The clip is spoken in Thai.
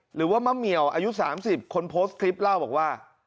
หรือว่ามะเหมียวอายุ๓๐คนโพสต์คลิปเล่าบอกว่า